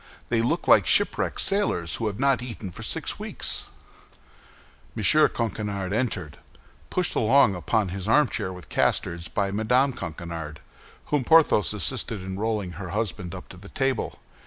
They look like shipwrecked sailors who have not eaten for six weeks." M. Coquenard entered, pushed along upon his armchair with casters by Mme. Coquenard, whom Porthos assisted in rolling her husband up to the table.